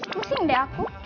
musing deh aku